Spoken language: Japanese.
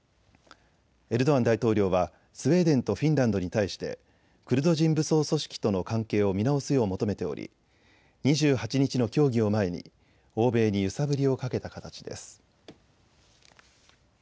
エルドアン大統領はスウェーデンとフィンランドに対してクルド人武装組織との関係を見直すよう求めており２８日の協議を前に欧米に揺さぶりをかけた形です。